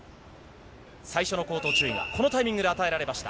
最初の口頭注意がこのタイミングで与えられました。